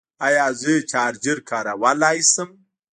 ایا زه چارجر کارولی شم؟